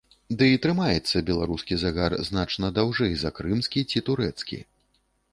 Ды і трымаецца беларускі загар значна даўжэй за крымскі ці турэцкі.